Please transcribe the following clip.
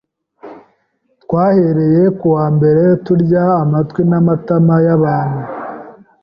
twahereye ku wa mbere turya amatwi n’amatama y’abantu